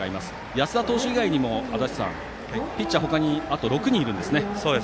安田投手以外にもピッチャー、他にあと６人いるんですよね。